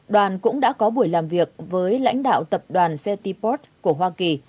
đoàn cũng đã có buổi làm việc với lãnh đạo tập đoàn cityport của hoa kỳ